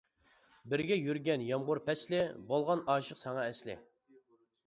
بىرگە يۈرگەن يامغۇر پەسلى، بولغان ئاشىق ساڭا ئەسلى.